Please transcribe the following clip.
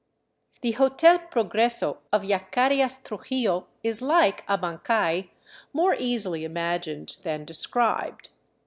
The *' Hotel Progreso " of Yacarias Trujillo is, like Abancay, more easily imagined than described.